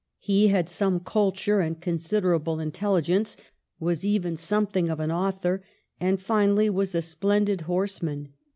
He had some culture and considerable intelligence ; was even something of an author ; and, finally, was a splen did horseman.